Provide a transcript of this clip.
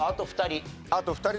あと２人。